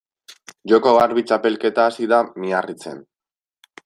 Joko Garbi txapelketa hasi da Miarritzen.